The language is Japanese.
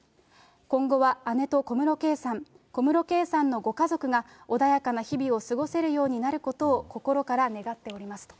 今後は、姉と小室圭さん、小室圭さんのご家族が、穏やかな日々を過ごせるようになることを心から願っておりますと。